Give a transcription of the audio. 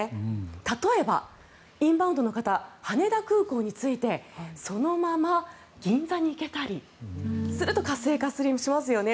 例えば、インバウンドの方羽田空港に着いてそのまま銀座に行けたりすると活性化しますよね。